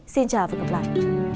xin chào và hẹn gặp lại